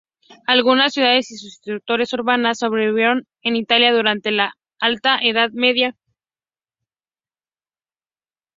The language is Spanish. Algunas ciudades y sus instituciones urbanas sobrevivieron en Italia durante la Alta Edad Media.